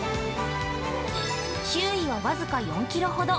周囲は僅か４キロほど。